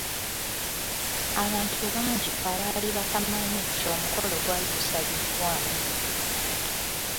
Abantu bangi abaali batamanyi nti omukolo gwali gusaziddwamu.